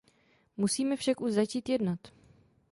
Musíme však už začít jednat.